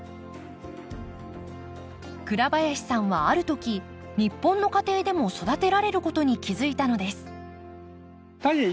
倉林さんはあるとき日本の家庭でも育てられることに気付いたのです。